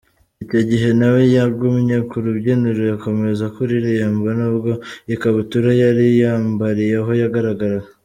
Icyo gihe na we yagumye ku rubyiniro akomeza kuririmba nubwo ikabutura yari yambariyeho yagaragaraga.